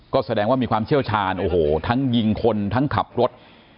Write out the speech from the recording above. ก็แสดงว่ามีความเชี่ยวชาญโอ้โหทั้งยิงคนทั้งขับรถ